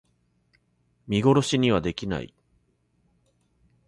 見殺しにはできない